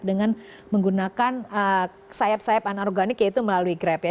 dengan menggunakan sayap sayapan organik yaitu melalui grab ya